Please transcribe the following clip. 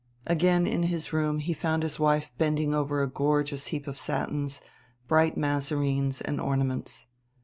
Again in his room he found his wife bending over a gorgeous heap of satins, bright mazarines and ornaments.